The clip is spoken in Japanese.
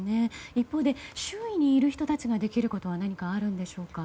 一方で、周囲にいる人たちができることは何かあるんでしょうか。